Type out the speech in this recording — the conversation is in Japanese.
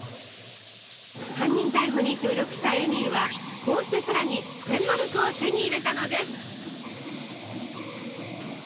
犯人逮捕に協力したエーミールはこうしてさらに１，０００マルクを手に入れたのです。